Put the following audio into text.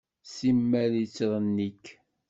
Simmal yettṛennik.